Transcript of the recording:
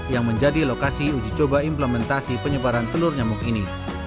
yang menjadi lokasi uji coba implementasi penyebaran telur nyamuk ini